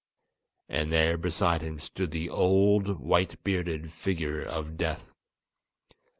And there beside him stood the old, white bearded, figure of Death.